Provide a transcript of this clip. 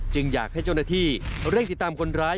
อยากให้เจ้าหน้าที่เร่งติดตามคนร้าย